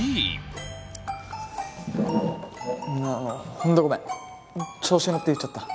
本当ごめん調子に乗って言っちゃった。